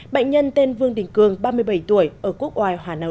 bệnh nhân tên vương đình cường ba mươi bảy tuổi ở quốc oai hà nam